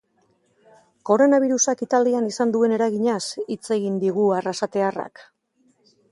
Koronabirusak italian izan duen eraginaz hitz egin digu arrasatearrak.